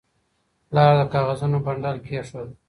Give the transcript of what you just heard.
پلار د کاغذونو بنډل کېښود.